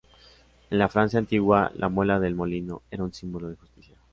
En la Francia antigua, la muela del molino, era un símbolo de justicia.